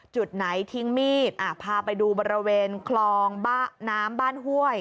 จุดไหนทิ้งมีดพาไปดูบริเวณคลองน้ำบ้านห้วย